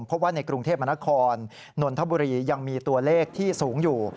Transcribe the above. เพราะว่าในกรุงเทพมนครนนทบุรียังมีตัวเลขที่สูงอยู่